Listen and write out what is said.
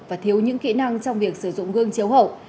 và thiếu những kỹ năng trong việc sử dụng gương chiếu hậu